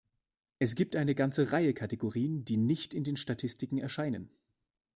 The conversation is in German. Es gibt eine ganze Reihe Kategorien, die nicht in den Statistiken erscheinen.